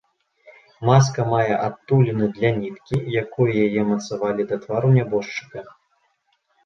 Маска мае адтуліны для ніткі, якой яе мацавалі да твару нябожчыка.